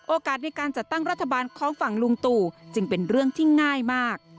โอกาสในการจัดตั้งรัฐบาลของฝั่งลุงตู่จึงเป็นเรื่องที่ง่ายมาก